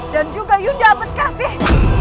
dan juga yunda abed kasyih